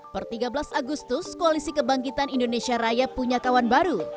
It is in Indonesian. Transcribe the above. per tiga belas agustus koalisi kebangkitan indonesia raya punya kawan baru